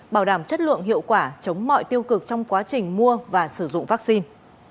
bảo đảm chất lượng hiệu quả chống mọi tiêu cực trong quá trình mua và sử dụng vaccine